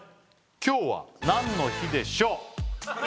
今日は何の日でしょう？